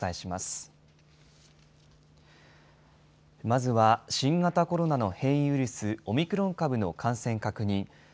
まずは、新型コロナの変異ウイルス、オミクロン株の感染確認。